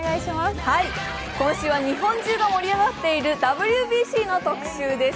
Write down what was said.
今週は日本中が盛り上がっているＷＢＣの特集です。